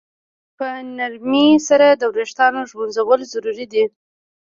په نرمۍ سره د ویښتانو ږمنځول ضروري دي.